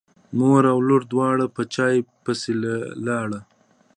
مور او لور دواړه په چای پسې لاړې.